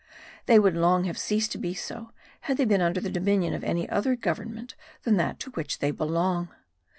They would long have ceased to be so had they been under the dominion of any other government than that to which they belong.